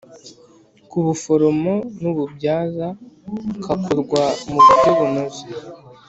K Ubuforomo N Ububyaza Kakorwa Mu Buryo Bunoze